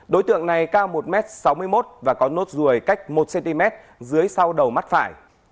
đối tượng này cao một m sáu mươi một và có nốt ruồi cách một cm dưới sau đầu mắt phải